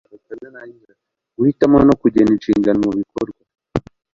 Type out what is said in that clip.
guhitamo no kugena inshingano mu bikorwa